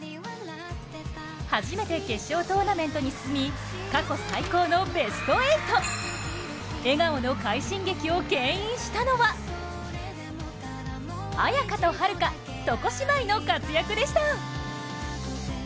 初めて、決勝トーナメントに進み過去最高のベスト８、笑顔の快進撃を牽引したのは、亜矢可と秦留可床姉妹の活躍でした。